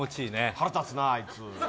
腹立つな、あいつ。